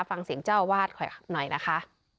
ฟังเสียงเจ้าวาดก่อนหน่อยนะคะ